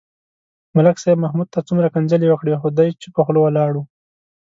ملک صاحب محمود ته څومره کنځلې وکړې. خو دی چوپه خوله ولاړ و.